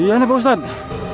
iya nih pak ustadz